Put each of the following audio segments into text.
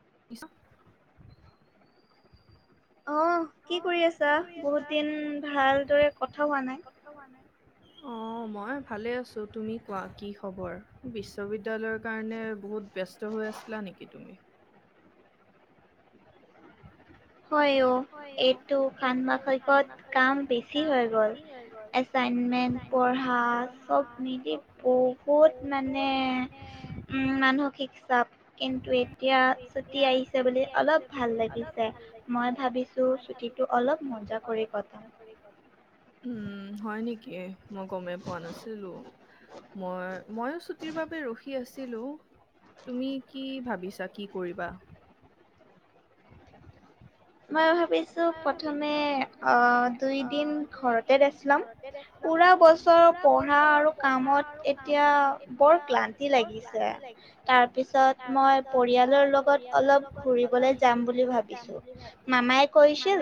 [inaudible] অ কি কৰি আছা বহুত দিন ভালদৰে কথা হোৱা নাই অ মই ভালে আছো তুমি কোৱা কি খবৰ বিশ্ববিদ্যালয়ৰ কাৰণে বহুত ব্যস্ত হৈ আছিলা নেকি তুমি হয় অ' এইটো ষান্মাসিকত কাম বেছি হৈ গ'ল এচাইনমেণ্ট পঢ়া চব মিলি বহুত মানে উম মানসিক চাপ কিন্তু এতিয়া ছুটি আহিছে বুলি অলপ ভাল লাগিছে মই ভাবিছো ছুটীটো অলপ মজা কৰি কটাম। উম হয় নেকি? মই গমেই পোৱা নাছিলো, মই ময়ো ছুটিৰ বাবে ৰখি আছিলো, তুমি কি ভাবিছা? কি কৰিবা? মই ভাবিছো প্ৰথমে অ, দুই দিন ঘৰতে ৰেষ্ট লম। পুৰা বছৰ পঢ়া আৰু কামত এতিয়া বৰ ক্লান্তি লাগিছে। তাৰ পিছত মই পৰিয়ালৰ লগত অলপ ঘুৰিবলৈ যাম বুলি ভাবিছো। মামাই কৈছিল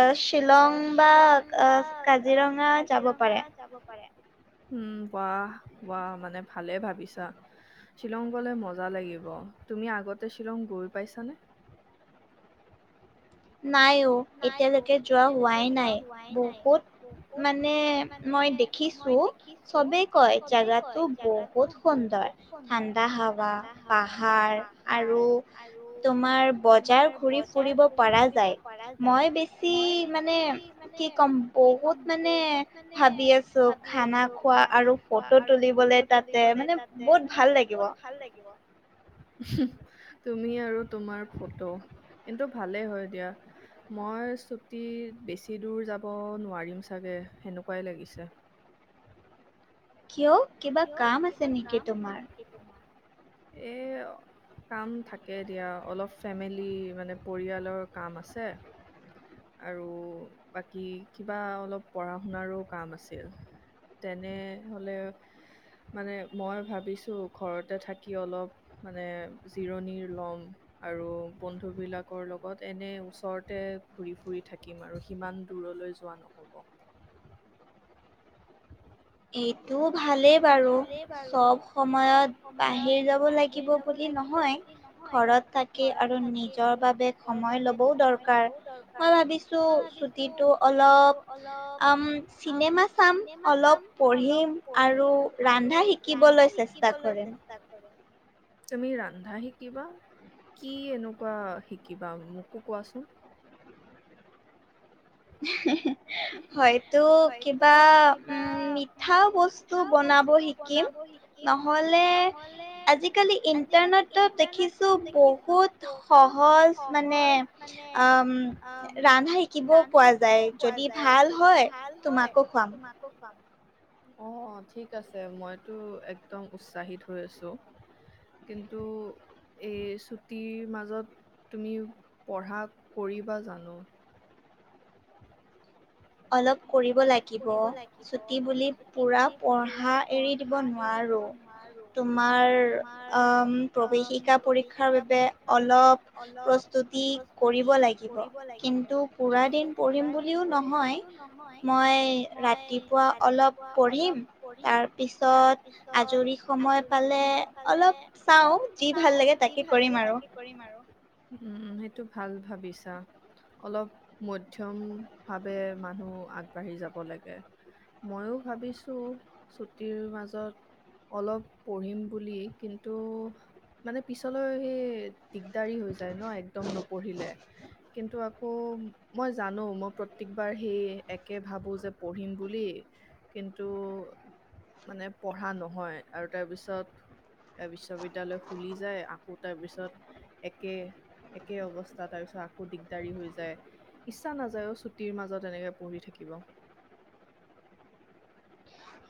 এ শ্বিলং বা কাজিৰঙা অ যাব পাৰে। পাৰে। উম ৱাহ ৱাহ মানে ভালে ভাবিছা। শ্বিলং গলে মজা লাগিব, তুমি আগতে শ্বিলং গৈ পাইছানে? নাই অ এতিয়ালৈকে যোৱা হোৱাই নাই। বহুত মানে মই দেখিছো চবে কয় জেগাটো বহুত সুন্দৰ, ঠাণ্ডা হাৱা, পাহাৰ আৰু তোমাৰ বজাৰ ঘূৰি ফুৰিব পৰা যায়। মই বেছি মানে, কি ক'ম বহুত মানে ভাবি আছো খানা খোৱা আৰু ফটো তুলিবলৈ তাতে মানে বহুত ভাল লাগিব। [unintelligible] তুমি আৰু তোমাৰ ফটো, কিন্তু ভালেই হয় দিয়া। মই ছুটিত বেছি দূৰ যাব নোৱাৰিম চাগে, সেনেকুৱাই লাগিছে। কিয়? কিয় কিবা কাম আছে নেকি তোমাৰ? এই কাম থাকে দিয়া অলপ ফেমিলি মানে পৰিয়ালৰ কাম আছে। আৰু বাকী কিবা অলপ পঢ়া শুনাৰো কাম আছিল, তেনেহ'লে। মানে মই ভাবিছো ঘৰতে থাকি অলপ মানে জিৰণি ল'ম, আৰু বন্ধুবিলাকৰ লগত এনে ওচৰতে ঘূৰি ফুৰি থাকিম আৰু সিমান দূৰলৈ যোৱা নহ'ব। এইটো ভালেই বাৰু, চব সময়ত বাহিৰ যাব লাগিব বুলি নহয় ঘৰত থাকি আৰু নিজৰ বাবে সময় ল'বও দৰকাৰ মই ভাবিছো ছুটিটো অলপ আম, চিনেমা চাম অলপ। পঢ়িম। পঢ়িম আৰু ৰান্ধা শিকিবলৈ চেষ্টা কৰিম। তুমি ৰান্ধা শিকিবা? কি এনেকুৱা শিকিবা? মোকো কোৱাচোন? [unintelligible] হয়তো কিবা উম মিঠা বস্তু বনাব শিকিম। নহলে আজিকালি ইণ্টাৰনেটত দেখিছো বহুত সহজ মানে অ ৰান্ধা শিকিব যায়। খোৱা যায় যদি ভাল হয় তোমাকো খুৱাম। অ ঠিক আছে মইতো একদম উৎসাহিত হৈ আছো। কিন্তু এই ছুটিৰ মাজত তুমি পঢ়া কৰিবা জানো? অলপ কৰিব লাগিব। ছুটি বুলি পূৰা পঢ়া এৰি দিব নোৱাৰোঁ, তোমাৰ অম প্ৰৱেশিকা পৰীক্ষাৰ বাবে অলপ প্ৰস্তুতি কৰিব লাগিব। কিন্তু পুৰা দিন পঢ়িম বুলিও নহয়। হয়। মই ৰাতিপুৱা অলপ পঢ়িম, তাৰপিছত আজৰি সময় পালে অলপ চাওঁ যি ভাল লাগে তাকে কৰিম আৰু। উম সেইটো ভাল ভাবিছা। অলপ মধ্যয়ম ভাৱে মানুহ আগ বাঢ়ি যাব লাগে ময়ো ভাবিছোঁ, ছুটিৰ মাজত অলপ পঢ়িম বুলি কিন্তু মানে পিছলৈ সেই দিগদাৰী হৈ যায় ন একদম নপঢ়িলে কিন্তু- ' মই জানো মই প্ৰত্যেকবাৰ সেই একে ভাবোঁ যে পঢ়িম বুলি, কিন্তু মানে পঢ়া নহয়, আৰু তাৰপিছত বিশ্ববিদ্যালয় খুলি যায় আকৌ তাৰপিছত একে, একে অৱস্থা তাৰপিছত আকৌ দিগদাৰী হৈ যায়, ইচ্ছা নাযায় অও ছুটীৰ মাজত এনেকৈ পৰি থাকিব।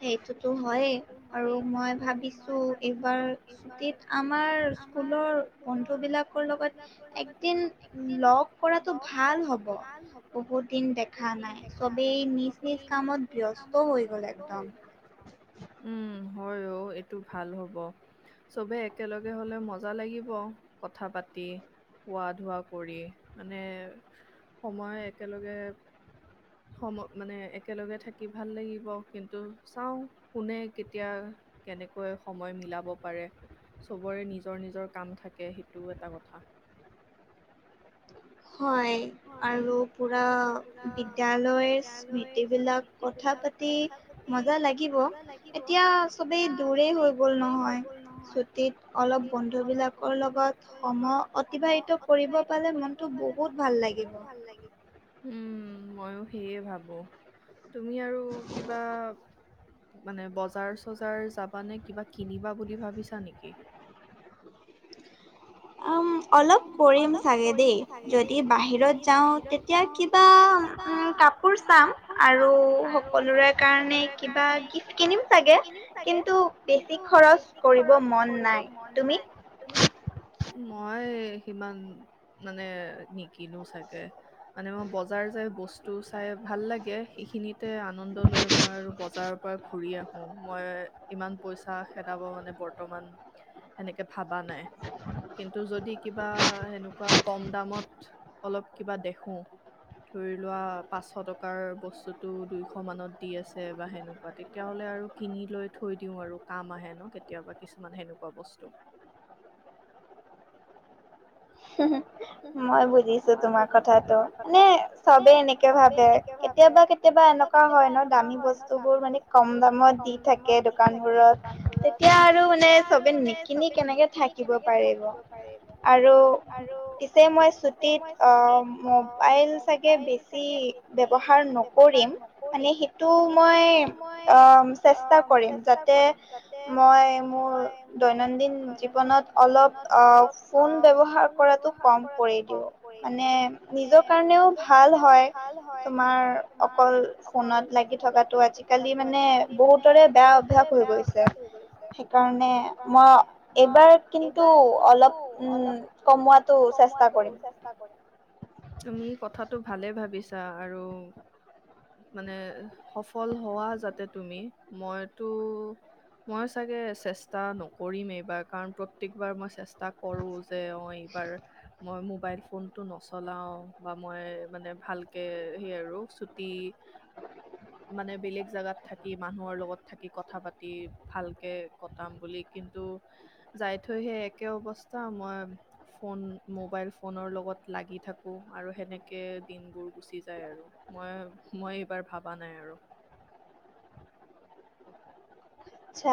সেইটোতো হয়েই আৰু মই ভাবিছো এইবাৰ ছুটিত আমাৰ স্কুলৰ বন্ধু বিলাকৰ লগত একদিন লগ কৰাতটো ভাল হ'ব বহুত দিন দেখা নাই চবেই নিজ নিজ কামত ব্যস্ত হৈ গ'লে। একতাম [unintelligible] উম হয় অ এইটো ভাল হব চবে একেলগে হলে মজা লাগিব কথা পাতি খোৱা ধোৱা কৰি মানে সময় একেলগে সম মানে একেলগে থাকি ভাল লাগিব কিন্তু চাওঁ কোনে কেতিয়া কেনেকৈ সময় মিলাব পাৰে চবৰে নিজৰ নিজৰ কাম থাকে সেইটো এটা কথা। হয় আৰু পুৰা বিদ্যালয়ৰ স্মৃতি বিলাক কথা পাতি মজা লাগিব এতিয়া চবেই দূৰে হৈ গ'ল নহয় ছুটিত অলপ বন্ধুবিলাকৰ লগত সম অতিবাহিত কৰিব পালে মন বহুত কিবা। [unintelligible] উম মইও সেয়ে ভাবো তুমি আৰু কিবা মানে বজাৰ চজাৰ যাবা নে কিবা কিনিবা বুলি ভাবিছা নেকি? অলপ কৰিম চাগে দেই যদি বাহিৰত যাওঁ তেতিয়া কিবা কাপোৰ চাম আৰু সকলোৰে কাৰণ কিবা গিফ কিনিম চাগে কিন্তু বেছি খৰচ কৰিব মন নাই। তুমি? মই সিমান মানে নিকিনো চাগে মানে মই বজাৰ যাই বস্তু চাই ভাল লাগে সেইখিনিত তাতে আনন্দ লৈ মই আৰু বজাৰৰ পৰা ঘূৰি আহো মই ইমান পইচা খেদাব মানে বৰ্তমান সেনেকে ভাবা নাই। কিন্তু যদি কিবা সেনেকুৱা কম দামত অলপ কিবা দেখোঁ ধৰি লোৱা পাঁচশ টকাৰ বস্তুটো দুইশ মানত দি আছে বা সেনেকুৱা তেতিয়াহ'লে আৰু কিনি লৈ থৈ দিওঁ আৰু কাম আহে ন কেতিয়াবা কিছুমান সেনেকুৱা বস্তু। হুহু। মই বুজিছো তোমাৰ কথাতটো মানে চবে এনেকে ভাবে কেতিয়াবা কেতিয়াবা এনেকুৱা হয় ন দামী বস্তুবোৰ মানে কম দামত দি থাকে দোকান বোৰত তেতিয়া আৰু মানে চবে নিকিনি কেনেকে থাকিব পাৰিব আৰু আৰু পিছে মই চুটিত আহ মোবাইল চাগে বেছি ব্যৱহাৰ নকৰিম মানে সেইটো মই আহ চেষ্টা কৰিম যাতে মই মোৰ দৈনন্দিন জীৱনত অলপ আহ ফোন ব্য্ৱহাৰ পোৱা তো কম। কৰি দিও মানে নিজৰ কাৰণেও ভাল হয় তোমাৰ অকল ফোনত লাগি থকাাতটো আজিকালি মানে বহুতৰে বেয়া অভ্যাস হৈ গৈছে সেইকাৰণে মই এইবাৰ কিন্তু অলপ উম। কমোৱাত তুমি কথাটো ভালে ভাবিছ। আৰু মানে সফল হোৱা যাতে তুমি মইতো মই চাগে চেষ্টা নকৰিম এইবাৰ কাৰণ প্ৰত্যেকবাৰ মই চেষ্টা কৰো। যে অ এইবাৰ মই মোবাইল ফোনটো নচলাওঁ বা মই মানে ভালকে সেই আৰু ছুটি মানে বেলেগ জাগাত থাকি মানুহৰ লগত থাকি কথা পাতি ভালকে কটাম বুলি কিন্তু যাই থৈহে একে অৱস্থা মই ফোন মোবাইল ফোনৰ লগত লাগি থাকোঁ আৰু সেনেকে দিনবোৰ গুচি যায় আৰু মই মই এইবাৰ ভাবা নাই আৰু।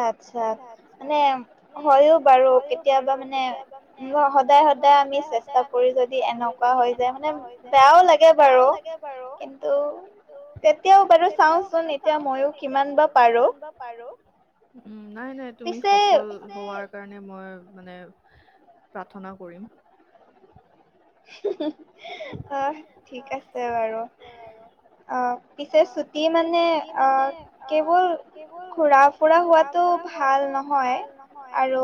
অতচা আচছা আচ্ছা মানে হয়ো বাৰু কেতিয়াবা মানে সদায় সদায় আমি চেষ্টা কৰি যদি এনেকুৱা হৈ যায় মানে বেয়াও লাগে বাৰু কিন্তু তেতিয়াও বাৰু চাওচোন এতিয়া মইও কিমান বা পাৰো। নাই নাই তুমি সফল হোৱাৰ কাৰণে মই মানে প্ৰাৰ্থনা কৰিম। হু হু [unintelligible] অ ঠিক আছে বাৰু অ পিছে ছুটি মানে অ কেৱল ঘুৰা ফুৰা হোৱাাটো ভাল নহয় আৰু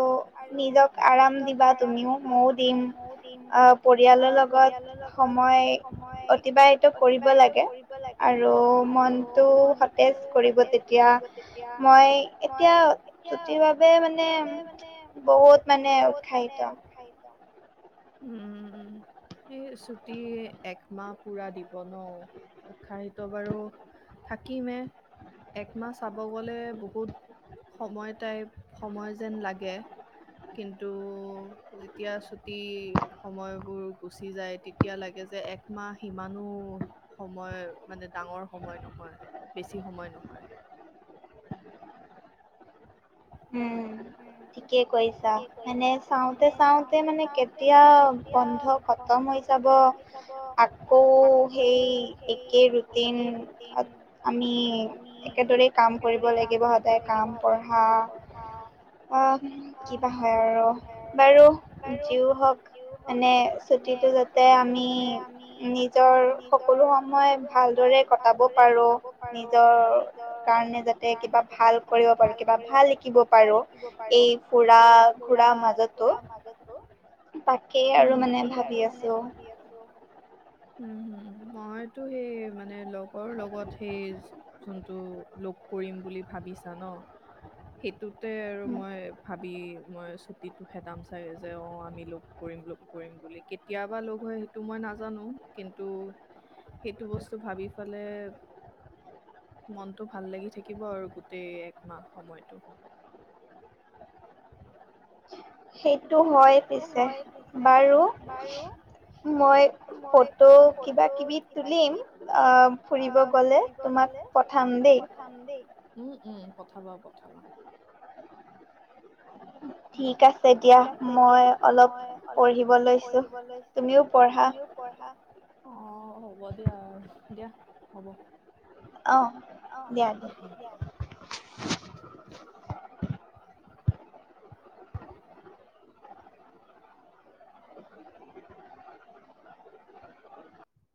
নিজক আৰাম দিবা তুমিও মইও দিম অহ। [unintelligible] সময় অতিবাহিত কৰিব লাগে আৰু মনটো সতেজ কৰিব তেতিয়া মই এতিয়া চুটিৰ বাবে মানে বহুত মানে উৎসাহিত। উম উম এই ছুটি একমাহ পুৰা দিব ন উৎসাহিত বাৰু থাকিমেই একমাহ চাব গলে বহুত সময় টাইপ সময় যেন লাগে কিন্তু যেতিয়া ছুটি সময়বোৰ গুচি যায় তেতিয়া লাগে যে একমাহ সিমানো সময় মানে ডাঙৰ সময় নহয় বেছি সময় নহয়। উম ঠিকে কৈছা মানে চাওঁতে চাওঁতে মানে কেতিয়া বন্ধ খতম হৈ যাব আকৌ সেই একেই ৰুটিন আমি একেদৰে কাম কৰিব লাগিব সদায় কাম পঢ়া অ কিবা হয় আৰু বাৰু যি হওক মানে ছুটিটো যাতে আমি নিজৰ সকলো সময় ভালদৰে কটাব পাৰো নিজৰ কাৰণে যাতে কিবা ভাল কৰিব পাৰো কিবা ভাল শিকিব পাৰো। শিকিব পাৰো এই ঘূৰা ফুৰা মাজতো। তাকেই আৰু মানে ভাবি আছোঁ। উম হম মইতো সেই মানে লগৰ লগত সেই যোনটো লগ কৰিম বুলি ভাবিছা ন সেইটোত তাতে আৰু মই ভাবি মই ছুটিটো খেদাম চাগে যে অ আমি লগ কৰিম লগ কৰিম বুলি কেতিয়াবা লগ হয় সেইটো মই নাজানো। কিন্তু সেইটো বস্তু ভাবি ফালে মনটো ভাল লাগি থাকিব আৰু গোটেই একমাহ সময়তটো। সেই টো হয় পিছে বাৰু, মই ফটো কিবা কিবি তুলিম আহ ফুৰিব গলে তোমাক পঠাম দেই। উম উম পঠাবা পঠাবা। ঠিক আছে দিয়া মই অলপ পঢ়িব লৈছো তুমিও পঢ়া। অ হ'ব দিয়া দিয়া হ'ব। অহ দিয়া।